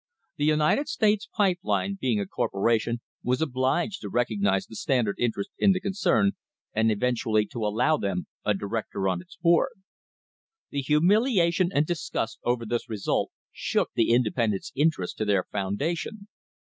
The United States Pipe Line, being a corpo ration, was obliged to recognise the Standard interest in the concern and eventually to allow them a director on its board. The humiliation and disgust over this result shook the independents' interests to their foundation.